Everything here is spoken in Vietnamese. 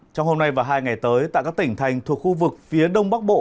trong hôm nay và hai ngày tới tại các tỉnh thành thuộc khu vực phía đông bắc bộ